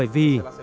tôi là fidel castro